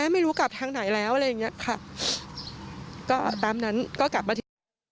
หรูกก็ถามแม่เห